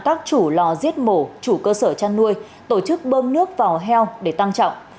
các chủ lò giết mổ chủ cơ sở chăn nuôi tổ chức bơm nước vào heo để tăng trọng